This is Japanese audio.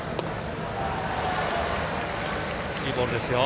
いいボールです。